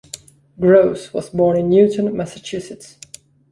Gross was born in Newton, Massachusetts.